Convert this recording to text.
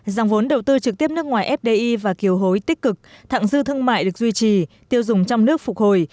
dòng vốn đầu tư trực tiếp nước ngoài fdi và kiều hối tích cực thẳng dư thương mại được duy trì tiêu dùng trong nước phục hồi